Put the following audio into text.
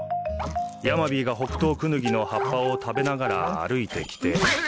ヤマビーがホクトウクヌギの葉っぱを食べながら歩いてきて。